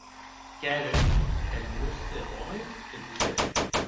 Qu’èren eth nòste òme e Cosette.